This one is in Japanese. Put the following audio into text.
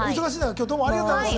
今日どうもありがとうございます。